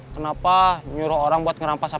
kenapa nyuruh orang buat ngerampas hp saya